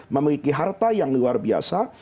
memiliki harta yang luar biasa